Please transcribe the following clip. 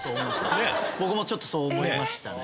僕もちょっとそう思いましたね。